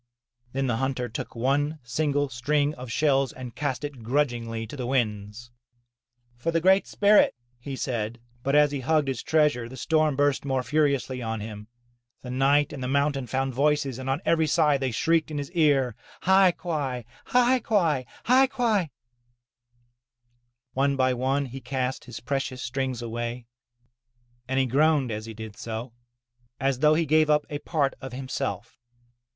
Then the hunter took one single string of shells and cast it grudgingly to the winds. 'Tor the Great Spirit," he said. But as he hugged his treasure the storm burst more furiously on him. The night and the mountain found voices and on every side they shrieked in his ear, *'Hai quai! Hai quai! Hai quai!*' One by one, he cast his precious strings away, and he groaned as he did so, as though he gave up a part of himself.